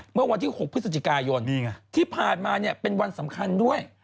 เมื่อวันที่๖พฤศจิกายนที่ผ่านมาเนี่ยเป็นวันสำคัญด้วย